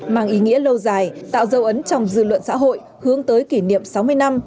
mang ý nghĩa lâu dài tạo dấu ấn trong dư luận xã hội hướng tới kỷ niệm sáu mươi năm